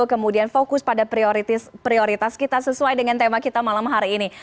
kemudian fokus pada prioritas kita sesuai dengan tema kita malam hari ini